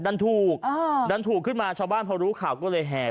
ดันถูกดันถูกขึ้นมาชาวบ้านพอรู้ข่าวก็เลยแห่